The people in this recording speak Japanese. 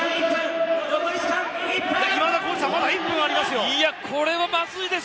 今田耕司さんまだ時間はあります。